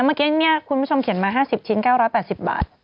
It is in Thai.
เมื่อกี้คุณผู้ชมเขียนมา๕๐ชิ้น๙๘๐บาท